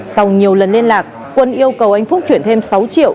sau nhiều lần liên lạc quân yêu cầu anh phúc chuyển thêm sáu triệu